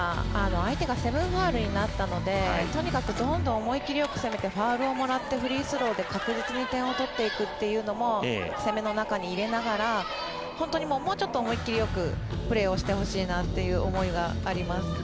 相手が７ファウルになったのでとにかくどんどん思い切りよくせめてファウルをもらってフリースローで確実に点を取っていくというのも攻めの中に入れながら本当にもうちょっと思い切りよくプレーをしてほしいなという思いがあります。